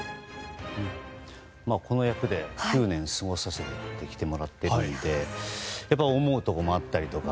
この役で９年過ごさせてきてもらっているのでやっぱり思うところもあったりとか。